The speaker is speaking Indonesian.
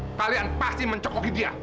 dan semalaman kalian pasti mencokoki dia